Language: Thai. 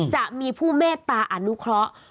จะมีผู้เมตตาอนุเคราะห์